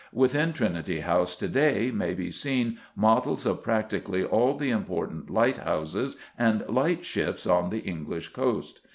Within Trinity House to day may be seen models of practically all the important lighthouses and lightships on the English coast.